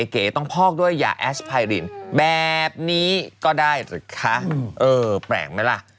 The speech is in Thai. เก๋ต้องพอกด้วยยาแอสไพรินแบบนี้ก็ได้เหรอคะเออแปลกไหมล่ะ